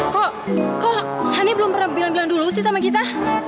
kok kok hani belum pernah bilang bilang dulu sih sama kita